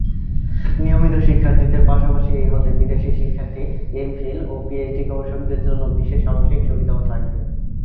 নিয়মিত শিক্ষার্থীদের পাশাপাশি এই হলে বিদেশি শিক্ষার্থী, এমফিল ও পিএইচডি গবেষকদের জন্য বিশেষ আবাসিক সুবিধাও থাকবে।